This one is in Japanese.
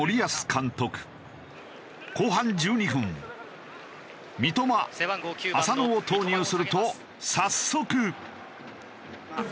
後半１２分三笘浅野を投入すると早速。